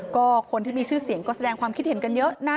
ก็คนที่มีชื่อเสียงก็แสดงความคิดเห็นกันเยอะนะ